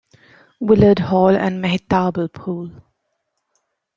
Willard Hall and Mehitable Pool.